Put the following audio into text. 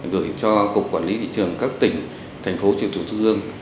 gửi cho cục quản lý trường các tỉnh thành phố triều thủ thư gương